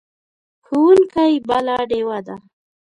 ښوونکی بله ډیوه ده.